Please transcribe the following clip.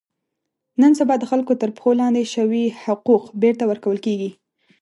نن سبا د خلکو تر پښو لاندې شوي حقوق بېرته ور کول کېږي.